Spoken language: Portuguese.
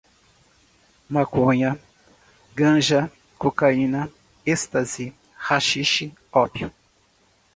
Maconha, ganja, cocaína, ecstasy, haxixe, ópio